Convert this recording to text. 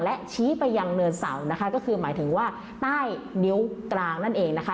และชี้ไปยังเนินเสานะคะก็คือหมายถึงว่าใต้นิ้วกลางนั่นเองนะคะ